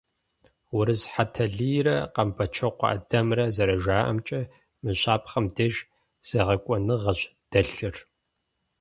Урыс Хьэтэлийрэ Къэмбэчокъуэ ӏэдэмрэ зэрыжаӏэмкӏэ, мы щапхъэм деж зегъэкӏуэныгъэщ дэлъыр.